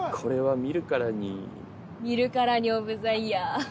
見るからにオブザイヤー！